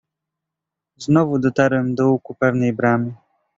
"Znowu dotarłem do łuku pewnej bramy."